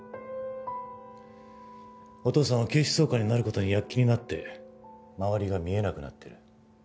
お義父さんは警視総監になる事に躍起になって周りが見えなくなってる。